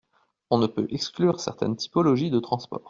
On ne peut exclure certaines typologies de transport.